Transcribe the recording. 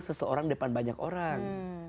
seseorang depan banyak orang